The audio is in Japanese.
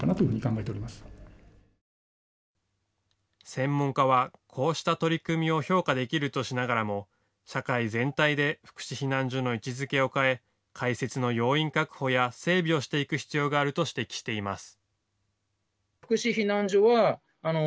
専門家はこうした取り組みを評価できるとしながらも社会全体で福祉避難所の位置づけを変え開設の要員確保や整備をしていく必要があると指摘しています。